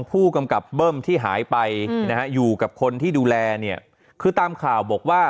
ผู้กำกับเบิ้มที่หายไปนะฮะอยู่กับคนที่ดูแลเนี่ยคือตามข่าวบอกว่า